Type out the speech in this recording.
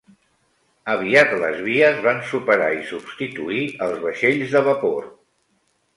Aviat les vies van superar i substituir els vaixells de vapor.